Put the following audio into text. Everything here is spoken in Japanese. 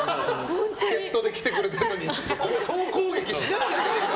助っ人で来てくれたのに総攻撃しないでくださいよ。